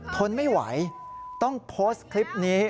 ทนไม่ไหวต้องโพสต์คลิปนี้